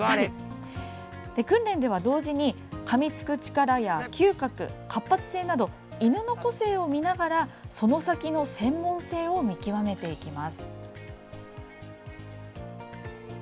訓練では同時にかみつく力や嗅覚、活発性など犬の個性を見ながらその先の専門性を見極めていきます。